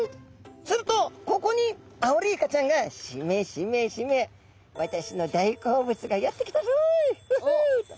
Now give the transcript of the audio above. するとここにアオリイカちゃんが「しめしめしめ私の大好物がやって来たぞい！フフ！」と。